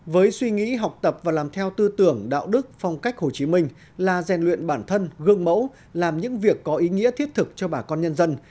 với suy nghĩ học tập và làm theo tư tưởng đạo đức phong cách hồ chí minh là rèn luyện bản thân gương mẫu làm những việc có ý nghĩa thiết thực cho bà con nhân dân